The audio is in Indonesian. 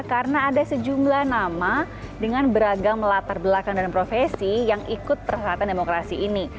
karena ada sejumlah nama dengan beragam latar belakang dan profesi yang ikut perhelatan demokrasi ini